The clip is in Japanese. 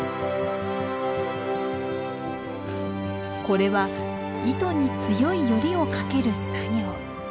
これは糸に強いよりをかける作業。